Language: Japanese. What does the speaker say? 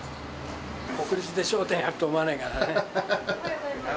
国立で笑点やると思わないからね。